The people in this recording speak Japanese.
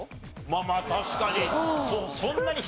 まあまあ確かに。